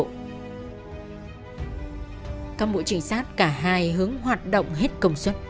các mũi trinh sát cả hai hướng hoạt động hết công suất